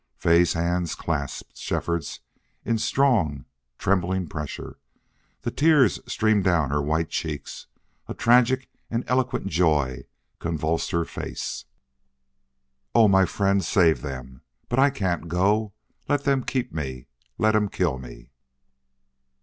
Fay's hands clasped Shefford's in strong, trembling pressure; the tears streamed down her white cheeks; a tragic and eloquent joy convulsed her face. "Oh, my friend, save them! But I can't go.... Let them keep me! Let him kill me!"